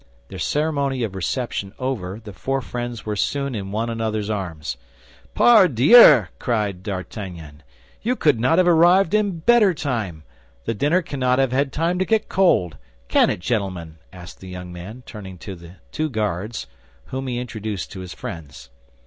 The ceremony of reception over, the four friends were soon in one another's arms. "Pardieu!" cried D'Artagnan, "you could not have arrived in better time; the dinner cannot have had time to get cold! Can it, gentlemen?" added the young man, turning to the two Guards, whom he introduced to his friends.